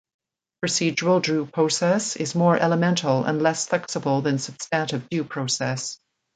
Procedural due process is more elemental and less flexible than substantive due process.